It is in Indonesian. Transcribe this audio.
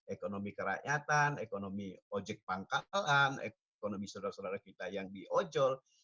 ekonomi kerakyatan ekonomi ojek pangkalan ekonomi saudara saudara kita yang di ojol